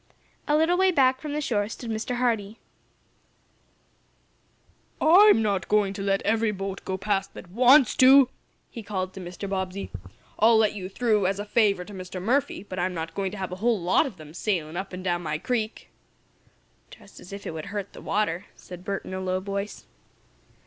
A little way back from the shore stood Mr. Hardee. "I'm not going to let every boat go past that wants to!" he called to Mr. Bobbsey. "I'll let you through, as a favor to Mr. Murphy, but I'm not going to have a whole lot of them sailin' up and down my creek!" "Just as if it would hurt the water," said Bert, in a low voice.